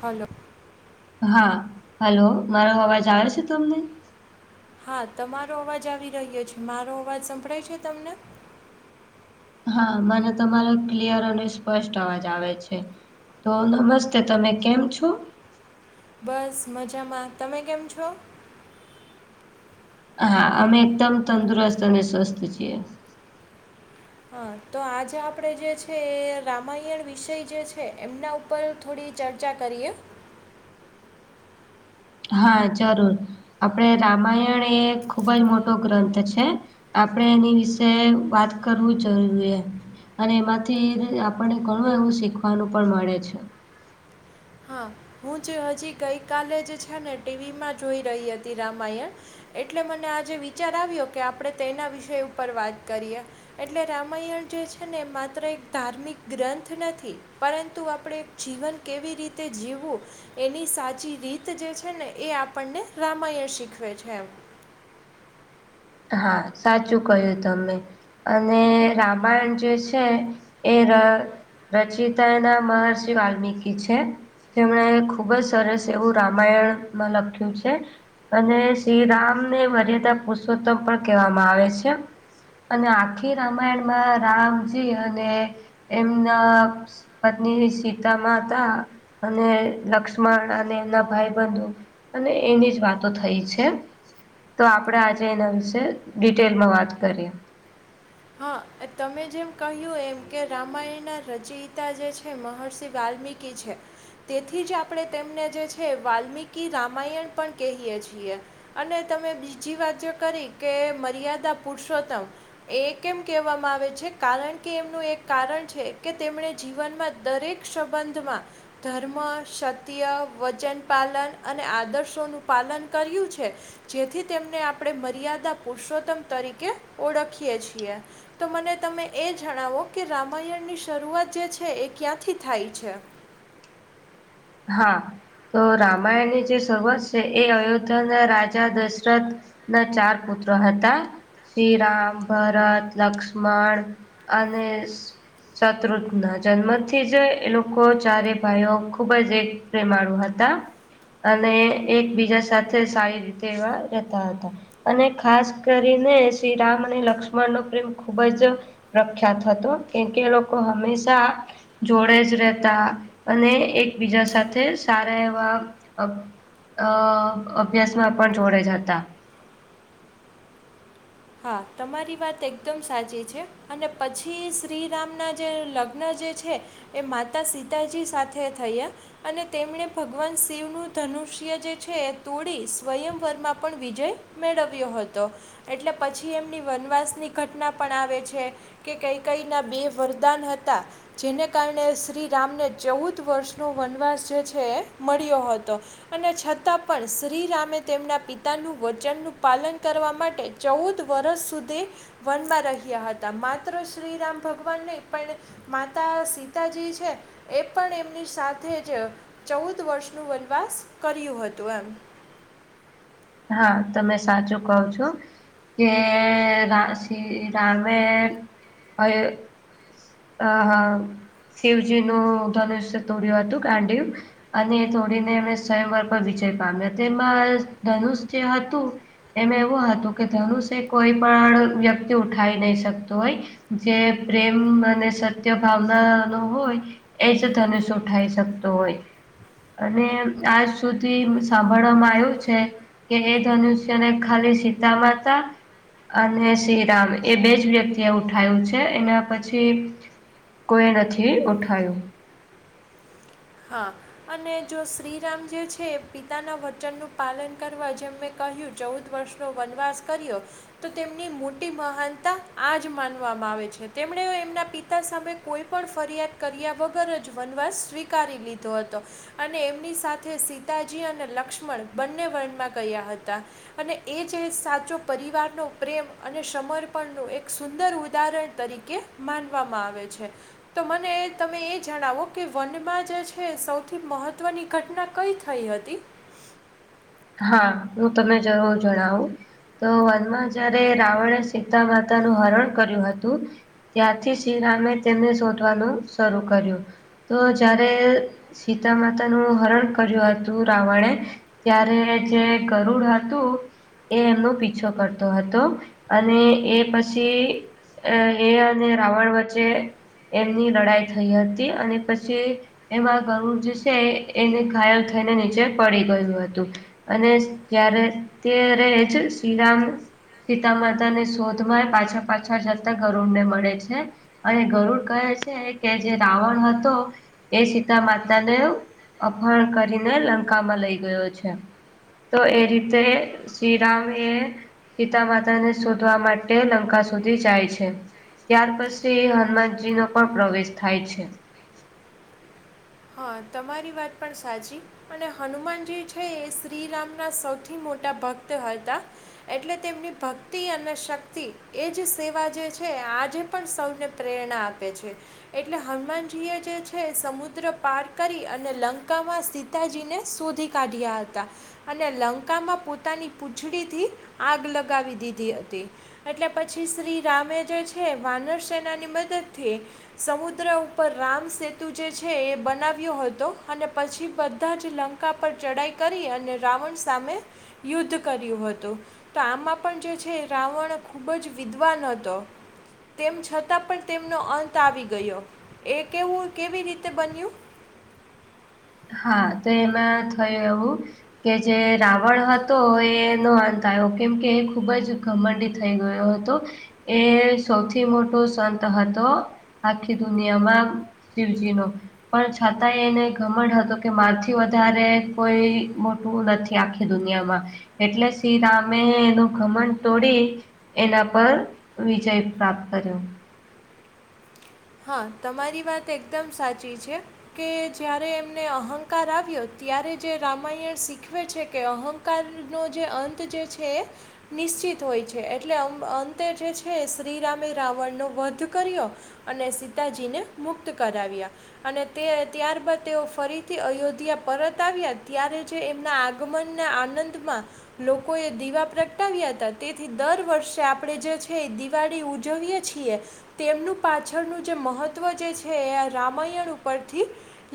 Hello. હા, hello. મારો અવાજ આવે છે તમને? હા તમારો અવાજ આવી રહ્યો છે. મારો અવાજ સંભળાય છે તમને? હા, મને તમારો ક્લિયર અને સ્પષ્ટ અવાજ આવે છે. તો નમસ્તે તમે કેમ છો? બસ મજામાં. તમે કેમ છો? હા, અમે એકદમ તંદુરસ્ત અને સ્વસ્થ છીએ. હા તો આજે આપડે જે છે એ રામાયણ વિષય જે છે એમના ઉપર પર થોડી ચર્ચા કરીએ. હા જરૂર. આપડે રામાયણ એ ખુબ જ મોટો ગ્રંથ છે. આપણે એની વિશે વાત કરવું જરૂરીએ. અને એમાંથી આપડે ઘણું એવું શીખવાનું. પણ મળે છે. હા હું જે હજી ગઈકાલે જ છે જોઈ રહી હતી રામાયણ. એટલે મને આજે વિચાર કે આપડે તેના વિષય ઉપર વાત કરીએ. એટલે રામાયણ જે છે ને માત્ર એક ધાર્મિક ગ્રંથ નથી પરંતુ આપડે જીવન કેવી રીતે જીવવું એની સાચી રીત જે છે ને એ આપણને રામાયણ શીખવે છે. હા સાચું કહ્યું તમે. અને રામાયણ જે છે એ ર રચિતા મહર્ષિ વાલ્મીકી છે. જેમણે ખુબ જ સરસ એવું રામાયણમાં લખ્યું છે. અને શ્રીરામને મર્યાદા પુરુષોત્તમ પણ કહેવામાં આવે છે. અને આખી રામાયણમાં રામજી અને એમના પત્ની ને સીતા માતા અને લક્ષ્મણ અને એના ભાઈબંધો અને એની જ વાતો થઈ છે. તો આપડે આજ તેના વિશે ડિટેલમાં વાત કરીએ. હા એ તમે જેમ કહ્યું એમ કે રામાયણના રચયિતા જે છે મહર્ષિ વાલ્મીકી છે તેથી જ આપડે તેમને જે છે વાલ્મીકી રામાયણ પણ કહીએ છીએ. અને તમે બીજી વાત જે કરી કે મર્યાદા પુરુષોત્તમ એક કેમ કહેવામાં આવે છે કારણ કે એમનું એક કારણ છે કે તેમણે જીવનમાં દરેક સંબંધમાં ધર્મ સત્ય વચન પાલન અને આદર્શોનું પાલન કર્યું છે. જેથી તેમને આપડે મર્યાદા પુરુષોત્તમ તરીકે ઓળખીએ છીએ. તો મને તમે એ જણાવો કે રામાયણની શરૂઆત જે છે એ ક્યાંથી થાય છે? હા તો રામાયણની જે શરૂઆત છે એ અયોધ્યા ના રાજા દશરથ ના ચાર પુત્ર હતા. શ્રીરામ ભરત લક્ષ્મણ અને સ સત્રુદણ જન્મ થી જ એ લોકો ચારે ભાઈઓ ખુબ જ એક પ્રેમાળું હતા. અને એકબીજા સાથે સારી રીતે એવા રહેતા હતા. અને ખાસ કરીને શ્રીરામ અને લક્ષ્મણ નો પ્રેમ ખૂબ જ પ્રખ્યાત હતો કેમકે એ લોકો હંમેશા જોડે જ રહેતા અને એકબીજા સાથે સારા એવા અહ અ અભ્યાસમાં પણ જોડે જ હતા. હા તમારી વાત એકદમ સાચી છે અને પછી શ્રીરામના જે લગ્ન જે છે એ માતા સીતાજી સાથે થયા અને તેમણે ભગવાન શિવનું ધનુષ્ય જે છે એ તોડી સ્વયંવરમાં પણ વિજય મેળવ્યો હતો એટલે પછી એમની વનવાસની ઘટના પણ આવે છે. કે કૈકૈય ના બે વરદાન હતા. જેને કારણે શ્રી રામને ચૌદ વર્ષનો વનવાસ જે છે એ મળ્યો હતો. અને છતાં પણ શ્રીરામે તેમના પિતાનું વચનનું પાલન કરવા માટે ચૌદ વરષ સુધી વનમાં રહ્યા હતા માત્ર શ્રીરામ ભગવાન નહીં પણ માતા સીતાજી છે એ પણ એમની સાથે જ ચૌદ વર્ષનું વનવાસ કર્યું હતું એમ હા તમે સાચું કહો છો. કે અ શ્રી રામે અયો અ શિવજી નું ધનુષ્ય તોડ્યું હતું ગાંડીવ અને તોડીને એમને સ્યંવર પર વિજય પામ્યો તેમાં ધનુષ જે હતું એનું એવું હતું કે ધનુષ એ કોઈ પણ વ્યક્તિ ઉઠાવી નહી શકતું હોય જે પ્રેમ અને સત્ય ભાવના નો હોય એ જ ધનુષ ઉઠાઈ શકતો હોય અને આજ સુધી સાંભળવામાં આવ્યું છે. કે એ ધનુષ્યને ખાલી સીતા માતા અને શ્રીરામ એ બે જ વ્યક્તિએ ઉઠાયું છે એના પછી કોઈએ નથી ઉઠાયવુ હા અને જો શ્રીરામ જે છે પિતાના વચનનું પાલન જેમ મે- કહ્યું ચૌદ વર્ષનો વનવાસ કર્યો. તો તેમની મોટી મહાનતા આજ માનવામાં આવે છે તેમણે એમના પિતા સામે કોઈપણ ફરિયાદ કર્યા વગર જ વનવાસ સ્વીકારી લીધો હતો. અને એમની સાથે સીતાજી અને લક્ષ્મણ બંને વન માં ગયા હતા. અને એ જે સાચો પરિવારનો પ્રેમ અને સમર્પણનું એક સુંદર ઉદાહરણ તરીકે! માનવામાં આવે છે તો મને તમે એ જણાવો કે વનમાં જે છે સૌથી મહત્વની ઘટના કઈ થઈ હતી? હા હું તને જરૂર જણાવું તો વનમાં જયારે રાવણે સીતા માતાનું હરણ કર્યું હતું. ત્યારથી શ્રીરામે તેમને શોધવાનું શરૂ કર્યું. તો જારે સીતા માતાનું હરણ કર્યું હતું રાવણે ત્યારે જે ગરુડ હતું! એ એમનો પીછો કરતો હતો અને એ પછી અ એ અને રાવણ વચ્ચે એમની લડાઈ થઈ હતી અને પછી એમાં ગરુર જે છે, એને ઘાયલ થઈને નીચે ફરી ગયું હતું અને જ્યારે તે રહે છે શ્રીરામ સીતા માતા ની શોધ માં પાછા પાછળ જતા ગરુડ ને મળે છે. અને ગરુડ કહે છે કે જે રાવણ હતો એ સીતા માતાને અપહણ કરીને લંકામાં લઈ ગયો છે. તો એ રીતે શ્રીરામ એ સીતા માતા ને શોધવા માટે લંકા સુધી જાય છે. ત્યાર પછી હનુમાનજી નો પણ પ્રવેશ થાય છે. હા તમારી વાત પણ સાચી અને હનુમાનજી છે એ શ્રીરામ ના સૌથી મોટા ભક્ત હતા. એટલે તેમની ભક્તિ અને શક્તિ એ જ સેવા જે છે આ જે પણ સૌને પ્રેરણા આપે છે. એટલે હનુમાનજીએ જે છે સમુદ્ર પાર કરી અને લંકામાં સીતાજીને શોધી કાઢ્યા હતા. અને લંકામાં પોતાની પૂંછડીથી આગ લગાવી દીધી હતી. એટલે પછી શ્રી રામે જે છે, વાનર સેનાની મદદ થી સમુદ્ર ઉપર રામ સેતુ જે છે એ બન બનાવ્યો હતો, અને પછી બધા જ લંકા પર ચઢાઈ કરી અને રાવણ સામે યુદ્ધ કર્યું હતું, તો આમાં પણ જે છે, રાવણ ખૂબ જ વિદ્વાન હતો. તેમ છતાં પણ તેમનો અંત આવી ગયો એ કેવું કેવી રીતે બન્યું? હા તો એમાં થયું એવું કે જે રાવણ હતો એનો અંત આયો કેમ કે એ ખુબ જ ગમંડી થઈ ગયો હતો. એ સૌથી મોટો સંત હતો. આખી દુનિયામાં શિવજી નો. પણ છાતાં એ એને ઘમંડ હ તો કે મારા થી વધારે કોઈ મોટું નથી આખી દુનિયામાં. એટલે શ્રીરામે એનું ઘમડ તોડી એના પર વિજય પ્રાપ્ત કર્યો. હા, તમારી વાત એકદમ સાચી છે. કે જ્યારે એમને અહંકાર આવ્યો ત્યારે જે રામાયણ શીખવે છે કે અહંક કારનો જે અંત જે છે નિશ્ચિત હોય છે એટલે અમ અંતે જે છે. શ્રીરામે રાવણનો વધ કર્યો અને સીતાજીને મુક્ત કરાવ્યા. અને તે ત્યારબાદ તેઓ ફરીથી અયોધ્યા પરત આવ્યા, ત્યારે જે એમના આ ગમનના આનંદમાં લોકો એ દીવા પ્રગટાવ્યા હતા. તેથી દર વર્ષે આપડે જે છે દિવાળી ઉજવીએ છીએ. તેમનું પાછળનું જે મહત્વ જે છે એ રામાયણ ઉપરથી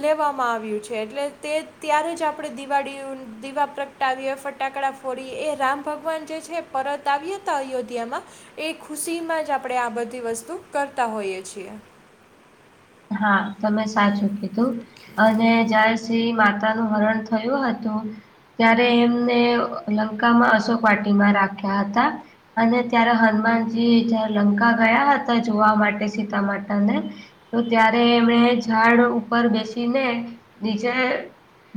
લેવામાં આવ્યું છે. એટલે તે ત્યારે જ આપડે દિવાળી દિવા પ્રગ ટાવીએ ફટાકડા ફોડીએ એ રામ ભગવાન જે છે પરત આવ્યા હતા અયોધ્યામાં એ ખુશીમાં જ આપડે આ બધી વસ્તુ કરતા હોઈએ છીએ. હા તમે સાચું કીધું અને જ્યારે જે માતા નું હરણ થયું હતું ત્યારે એમને લંકામાં અશોક વાટીમાં રાખ્યા હતા. અને ત્યારે હનુમાનજી જ લંકા ગયા હતા જોવા માટે સીતામાતા ને તો ત્યારે એમડે ઝાડ ઉપર બેસીને નીચે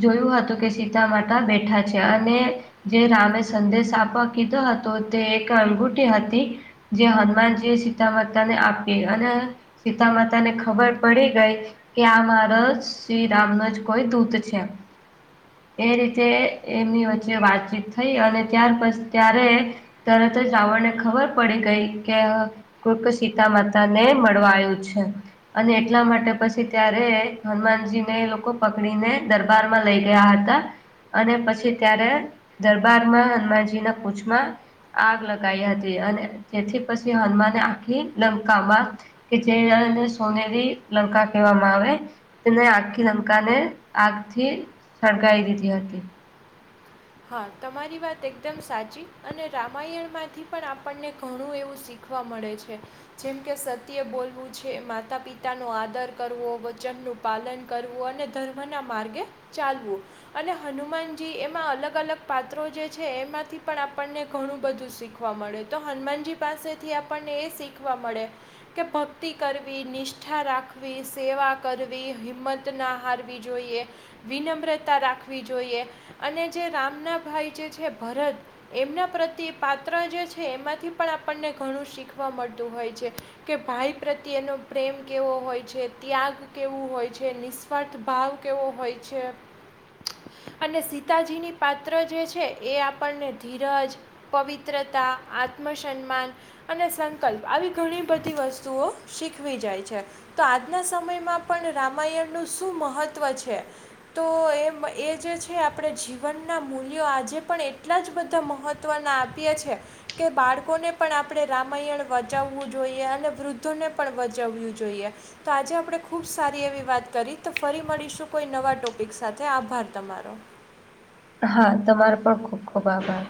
જોયું હતું કે સીતા માતા બેઠા છે અને જે રામે સંદેશ આપવા કીધો હતો તે એક અંગુઠી હતી જે હનુમાનજી એ સીતા માતા ને આપી, અને સીતા માતા તને ખબર પડી ગઈ કે આ મારો જ શ્રીરામનો જ કોઈ દૂત છે. એ રીતે એમની વચ્ચે વાતચીત થઈ, અને ત્યાર પછ ત્યારે તરત જ રાવણને ખબર પડી ગઈ કે કુર્ક સીતા માતા ને મળવા આયું છે. અને એટલા માટે પછી ત્યારે હનુમાનજી ને એ લોકો પકડીને દરબારમાં લઈ ગયા હતા. અને પછી ત્યારે દરબારમાં હનુમાનજીના પૂછમાં આગ લગાઈ હતી અને જેથી પછી હનુમાને આખી લંકામાં કે જે અને સોનેરી લંકા કહેવામાં આવે. તેને આખી લંકાને આગથી સળગાઈ દીધી હતી. હા તમારી વાત એકદમ સાચી અને રામાયણમાંથી પણ આપણને ઘણું એવું શીખ ખવા મળે છે. જેમકે સત્ય બોલવું છે માતા પિતાનો આદર કરવો વચનનું પાલન કરવું અને ધર્મના માર્ગે ચાલવું, અને હનુમાનજી એમાં અલગ ગલગ પાત્રો જે છે. એમાંથી પણ આપણને ઘણું બધું શીખવા મળે તો હનુમાનજી પાસેથી આપણને એ શીખવા મળે કે ભક્તિ કરવી, નિષ્ઠા રાખવી, સેવા કરવી હિંમત તના હારવી જોઈએ, વિનમ્રતા રાખવી જોઈએ અને જે રામના ભાઈ જે છે ભરત એમના પ્રત્યે પાત્ર જે છે એમાંથી પણ આપણને ઘણું શીખવા મળતું હોય છે. કે ભાઈ પ્રત્યેનો પ્રેમ કેવો હોય છે, ત્યાગ કેવો હોય છે, નિસ સ્વાર્થ ભાવ કેવો હોય છે અને શિ તાજીની પાત્ર જે છે એ આપણને ધીરજ પવિત્રતા આત્મસન્માન અને સંકલ્પ આવી ઘણી બધી વસ્તુઓ શીખવી જાય છે. તો આજના સમયમાં પણ રામાયણનું શું મહત્ત્વ છે? તો એમ એ જે છે. આ પડે જીવનના મૂલ્યો આજે પણ એટલા જ બધા મહત્ત્વના આપીએ છીએ. કે બાળકોને પણ આપણે રામાયણ વચાવવું જોઈએ, અને વૃદ્ધોને પણ વચાવવું જોઈએ. તો આજે આપડે ખુબ સારી એવી વાત કરી તો ફરી મળીશું કોઈ નવા ટોપિક સાથે આભાર તમારો. હા તમારો પણ ખુબ ખુબ આભાર.